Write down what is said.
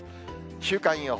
週間予報。